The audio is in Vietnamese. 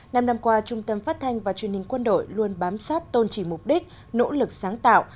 năm năm qua trung tâm phát thanh và truyền hình quân đội luôn bám sát tôn trì mục đích nỗ lực sáng tạo